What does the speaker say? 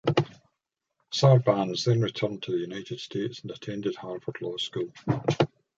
Sarbanes then returned to the United States and attended Harvard Law School.